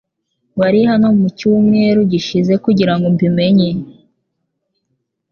Wari hano mucyumweru gishize kugirango mbi menye